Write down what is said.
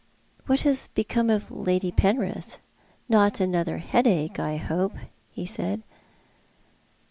" Wliat has become of Lady Penrith — not another headache, I hope ?" he said.